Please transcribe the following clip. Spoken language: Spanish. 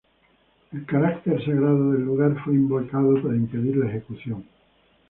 El carácter sagrado del lugar fue invocado para impedir la ejecución.